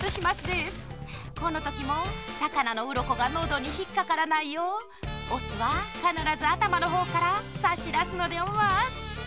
このときもさかなのうろこがのどにひっかからないようオスはかならずあたまのほうからさしだすのでオマス。